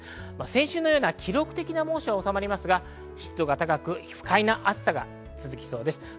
先週のような記録的な猛暑はおさまりますが、湿度が高く、不快な暑さが続きそうです。